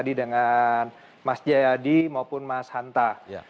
tadi dengan mas jayadi maupun mas hanta